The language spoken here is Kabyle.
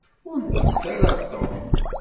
Ur neṭṭqet ara ɣer Tom.